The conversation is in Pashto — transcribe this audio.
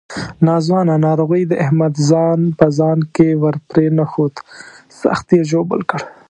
ناځوانه ناروغۍ د احمد ځان په ځان کې ورپرېنښود، سخت یې ژوبل کړ.